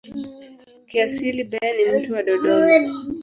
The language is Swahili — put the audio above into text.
Kiasili Ben ni mtu wa Dodoma.